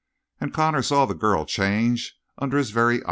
And Connor saw the girl change under his very eye.